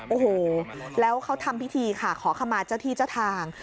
โอ้โหแล้วเขาทำพิธีค่ะขอขมาเจ้าที่เจ้าทาง